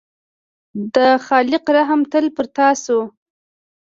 د خالق رحم تل پر تا شو.